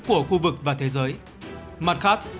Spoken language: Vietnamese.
của khu vực và thế giới mặt khác